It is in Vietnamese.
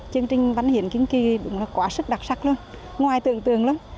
chương trình văn hiến kiến kỳ đúng là quá sức đặc sắc luôn ngoài tượng tượng lắm